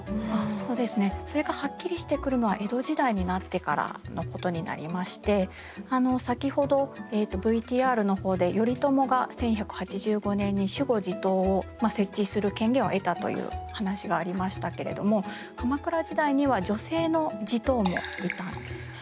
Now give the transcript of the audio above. そうですねそれがはっきりしてくるのは江戸時代になってからのことになりまして先ほどＶＴＲの方で頼朝が１１８５年に守護地頭を設置する権限を得たという話がありましたけれども鎌倉時代には女性の地頭もいたんですね。